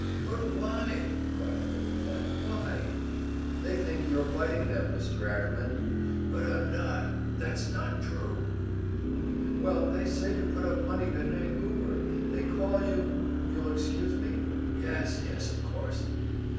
"But why?" cried the old man. "Why?" "They think you're fighting them, Mr. Ackerman." "But I'm not! That's not true!" "Well, they say you put up money to hang Goober. They call you you'll excuse me?" "Yes, yes, of course."